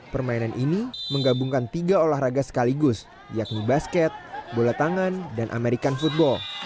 permainan ini menggabungkan tiga olahraga sekaligus yakni basket bola tangan dan american football